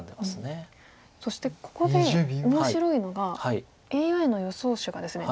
そしてここで面白いのがＡＩの予想手がですね